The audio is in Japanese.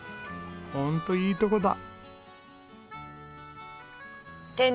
ホントいいとこだ。